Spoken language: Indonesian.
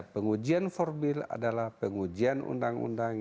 pengujian formil adalah pengujian undang undang